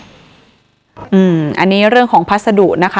อันนี้เรื่องของพัสดุนะคะ